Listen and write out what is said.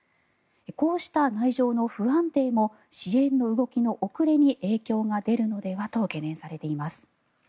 こうした内情の不安定も支援の動きの遅れに影響が出るのではと懸念されています。